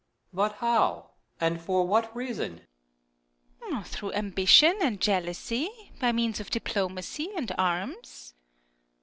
But how ? And for what reason ? Earth. Through ambition and jealousy ; by means of diplomacy and arms.